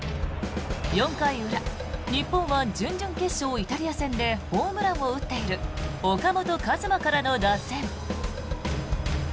４回裏、日本は準々決勝イタリア戦でホームランを打っている岡本和真からの打線。